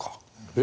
え？